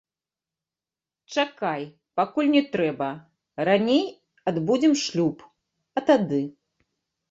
Чакай, пакуль не трэба, раней адбудзем шлюб, а тады.